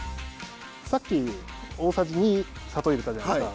さっき大さじ２砂糖入れたじゃないですか。